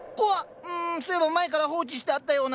んそういえば前から放置してあったような。